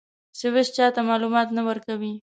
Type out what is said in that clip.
سویس چا ته معلومات نه ورکوي.